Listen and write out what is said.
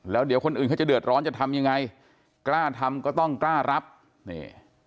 แล้วเดี๋ยวคนอื่นเขาจะเดือดร้อนจะทำยังไงกล้าทำก็ต้องกล้ารับนี่